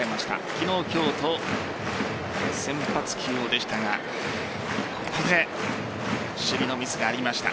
昨日、今日と先発起用でしたがここで守備のミスがありました。